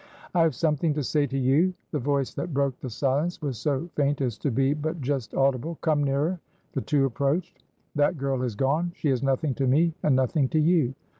"I have something to say to you." The voice that broke the silence was so faint as to be but just audible. "Come nearer." The two approached. "That girl has gone. She is nothing to me, and nothing to you.